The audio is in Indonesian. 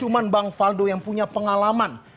cuma bang faldo yang punya pengalaman